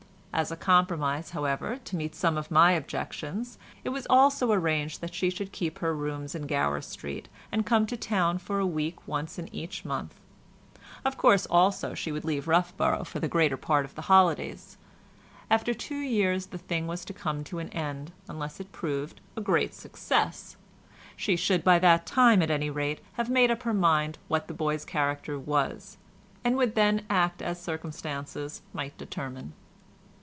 As a compromise, however, to meet some of my objections, it was also arranged that she should keep her rooms in Gower Street, and come to town for a week once in each month; of course, also, she would leave Roughborough for the greater part of the holidays. After two years, the thing was to come to an end, unless it proved a great success. She should by that time, at any rate, have made up her mind what the boy's character was, and would then act as circumstances might determine.